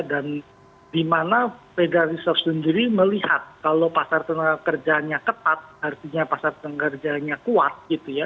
dan di mana federal resource sendiri melihat kalau pasar tenaga kerjanya ketat artinya pasar tenaga kerjanya kuat gitu ya